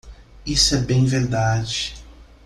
Isso é bem verdade.